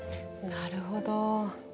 なるほど。